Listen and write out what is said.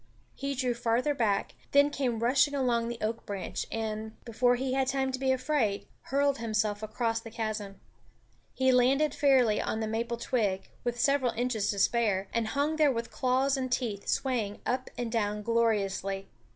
He drew farther back, then came rushing along the oak branch and, before he had time to be afraid, hurled himself across the chasm. He landed fairly on the maple twig, with several inches to spare, and hung there with claws and teeth, swaying up and down gloriously.